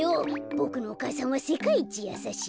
ボクのお母さんはせかいいちやさしいよ。